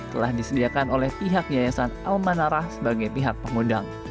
telah disediakan oleh pihak yayasan al manarah sebagai pihak pengundang